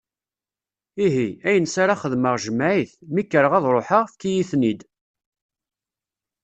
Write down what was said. Ihi, ayen s ara xedmeɣ jmeɛ-it, mi kreɣ ad ruḥeɣ, efk-iyi-ten-id.